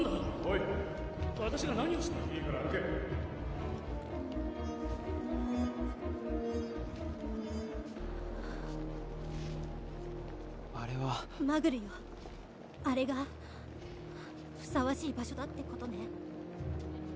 いいから歩けあれはマグルよあれがふさわしい場所だってことね